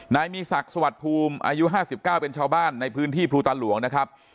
นายมีศักดิ์สวัสดิ์ภูมิอายุ๕๙เป็นชาวบ้านในพื้นที่ภูตาหลวงนะครับ